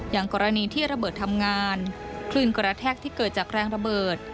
อย่างกรณีที่ระเบิดทำงานคลื่นกระแทกที่เกิดจากแรงระเบิด